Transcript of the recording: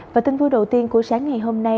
và tin vui đầu tiên của sáng ngày hôm nay